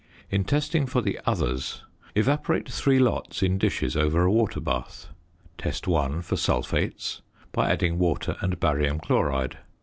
In testing for the others evaporate three lots in dishes over a water bath. Test one for sulphates by adding water and barium chloride.